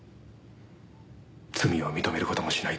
罪を認める事もしないでしょう。